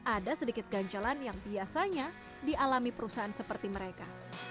ada sedikit ganjalan yang biasanya dialami perusahaan seperti mereka